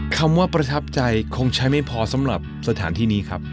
คำว่าประทับใจคงใช้ไม่พอสำหรับสถานที่นี้ครับ